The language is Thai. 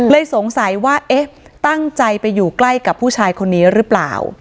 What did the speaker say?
สงสัยว่าเอ๊ะตั้งใจไปอยู่ใกล้กับผู้ชายคนนี้หรือเปล่า